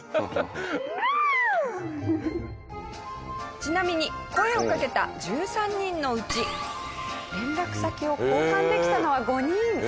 ちなみに声をかけた１３人のうち連絡先を交換できたのは５人。